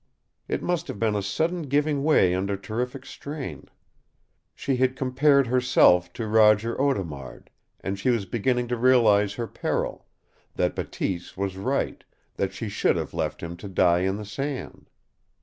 It must have been a sudden giving way under terrific strain. She had compared herself to Roger Audemard, and she was beginning to realize her peril that Bateese was right that she should have left him to die in the sand!